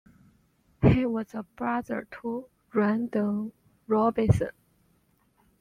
He was a brother to Randall Robinson.